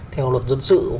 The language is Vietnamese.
theo luật dân sự